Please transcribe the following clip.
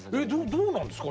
どうなんですか？